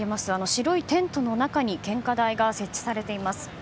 白いテントの中に献花台が設置されています。